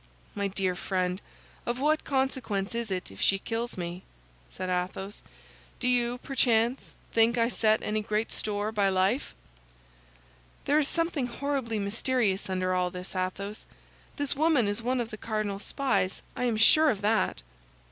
"My dear friend, of what consequence is it if she kills me?" said Athos. "Do you, perchance, think I set any great store by life?" "There is something horribly mysterious under all this, Athos; this woman is one of the cardinal's spies, I am sure of that."